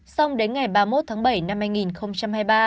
xong đến ngày ba mươi một tháng bảy năm hai nghìn hai mươi ba